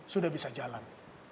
sudah bisa jalan